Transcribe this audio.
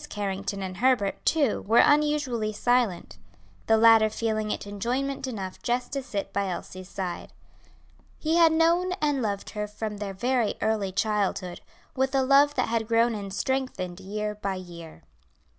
Carrington and Herbert, too, were unusually silent; the latter feeling it enjoyment enough just to sit by Elsie's side. He had known and loved her from their very early childhood; with a love that had grown and strengthened year by year.